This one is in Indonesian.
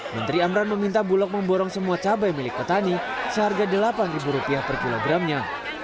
menteri amran meminta bulog memborong semua cabai milik petani seharga rp delapan per kilogramnya